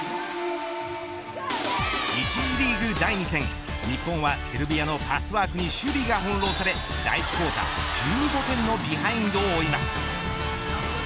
１次リーグ第２戦、日本はセルビアのパスワークに守備が翻弄され第１クオーター１５点のビハインドを追います。